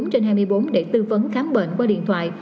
bốn trên hai mươi bốn để tư vấn khám bệnh qua điện thoại